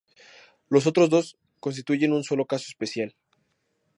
Los otros dos constituyen un solo caso especial.